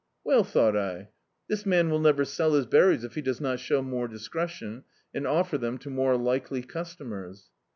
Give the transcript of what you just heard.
Well, thought I, this man will never sell his berries if he does not show more discretion and offer them to more likely customers.